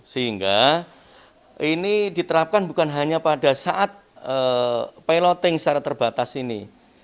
sehingga ini diterapkan bukan hanya pada saat piloting secara terbatas ini